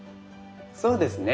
そうですね。